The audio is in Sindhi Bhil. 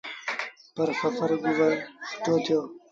پر سڦر گزر سُٺو ٿيٚتو۔